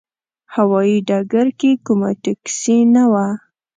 هوايي ډګر کې کومه ټکسي نه وه.